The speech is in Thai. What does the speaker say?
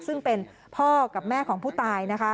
ซึ่งเป็นพ่อกับแม่ของผู้ตายนะคะ